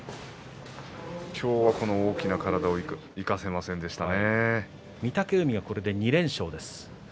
今日はこの大きな体を御嶽海がこれで２連勝です。